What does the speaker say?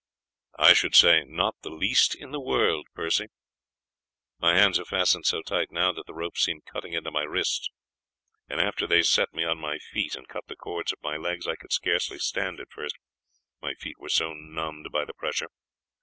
"I should say not the least in the world, Percy. My hands are fastened so tight now that the ropes seem cutting into my wrists, and after they had set me on my feet and cut the cords of my legs I could scarcely stand at first, my feet were so numbed by the pressure.